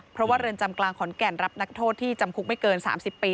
เพราะว่าเรือนจำกลางขอนแก่นรับนักโทษที่จำคุกไม่เกิน๓๐ปี